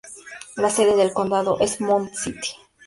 La sede del condado es Mound City.